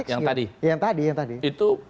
yang tadi yang tadi itu